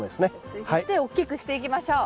追肥して大きくしていきましょう。